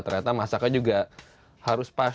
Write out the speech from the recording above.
ternyata masaknya juga harus pas